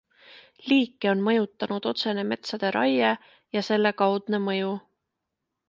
Liike on mõjutanud otsene metsade raie ja selle kaudne mõju.